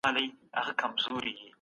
د مغولو کړني ته پام وکړئ.